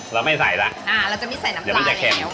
เราไม่ใส่แล้วอ่าเราจะไม่ใส่น้ำปลาเลยแล้วเดี๋ยวมันจะเค็ม